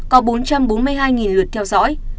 có bốn trăm bốn mươi hai lượt theo dõi